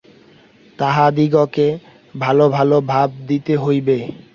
তাহাদিগকে ভাল ভাল ভাব দিতে হইবে।